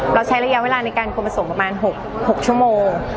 ใช้ระยะเวลาในการควรผสมประมาณ๖ชั่วโมง